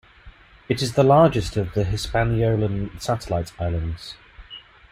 It is the largest of the Hispaniolan satellite islands.